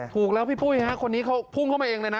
ถูกแล้วพี่ปุ้ยฮะคนนี้เขาพุ่งเข้ามาเองเลยนะ